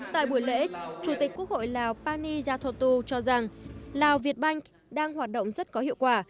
tại buổi lễ chủ tịch quốc hội lào pani yathotu cho rằng lào việt bank đang hoạt động rất có hiệu quả